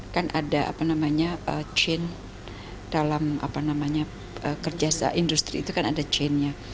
kan ada apa namanya chain dalam apa namanya kerja industri itu kan ada chainnya